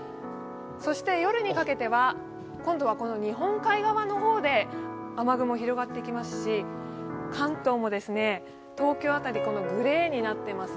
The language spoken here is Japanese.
そして夜にかけては、今度は日本海側の方で雨雲が広がってきますし関東も東京辺りグレーになっています。